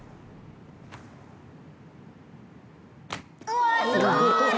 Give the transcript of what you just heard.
うわすごい！